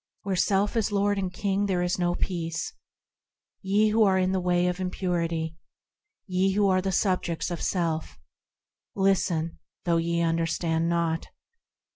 Where self is lord and king there is no peace. Ye who are in the way of impurity, Ye who are the subjects of self, Listen, though ye understand not.